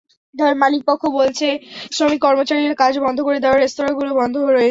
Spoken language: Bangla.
তবে মালিকপক্ষ বলছে, শ্রমিক-কর্মচারীরা কাজ বন্ধ করে দেওয়ায় রেস্তোরাঁগুলো বন্ধ রয়েছে।